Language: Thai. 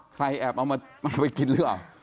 ใครแอบเอามาไปกินหรือเปล่า